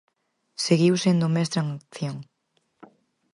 Seguiu sendo mestra en acción.